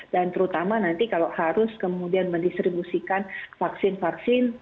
dan terutama nanti kalau harus kemudian mendistribusikan vaksin vaksin